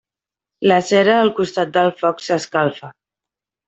La cera al costat del foc s'escalfa.